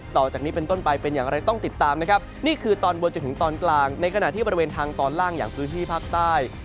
ต่อจากนี้เป็นต้นไปเป็นอย่างไรต้องติดตามนะครับนี่คือตอนบนจนถึงตอนกลางในขณะที่บริเวณทางตอนล่างอย่างพื้นที่ภาคใต้